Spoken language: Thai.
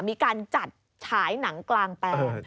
มีการจัดฉายหนังกลางแปลง